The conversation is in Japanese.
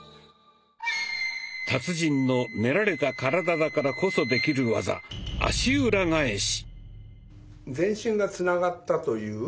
達人の練られた体だからこそできる技「足裏返し」。